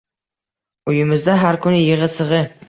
Uyimizda har kuni yigʻi-sigʻi...